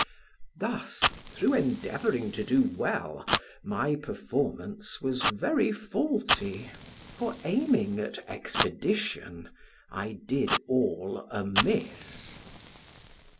Thus, through endeavoring to do well, my performance was very faulty; for aiming at expedition, I did all amiss.